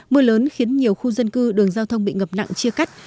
mưa lớn khiến nhiều khu dân cư đường giao thông bị ngập nặng chia cắt